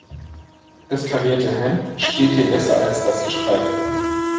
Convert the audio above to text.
Das karierte Hemd steht dir besser als das gestreifte.